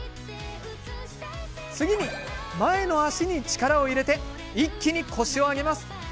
次に前の足に力を入れて一気に腰を上げます。